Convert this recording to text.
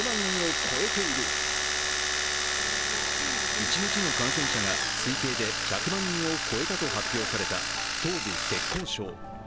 一日の感染者が推計で１００万人を超えたと発表された東部・浙江省。